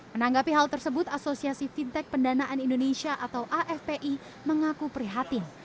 menanggapi hal tersebut asosiasi fintech pendanaan indonesia atau afpi mengaku prihatin